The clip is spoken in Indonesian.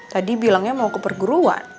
tadi bilangnya mau ke perguruan